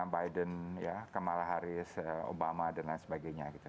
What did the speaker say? biden ya kamala harris obama dan lain sebagainya gitu